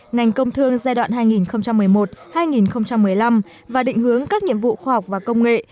ngành công thương giai đoạn hai nghìn một mươi một hai nghìn một mươi năm và định hướng các nhiệm vụ khoa học và công nghệ